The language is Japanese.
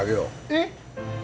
えっ！